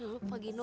ya udah pak gino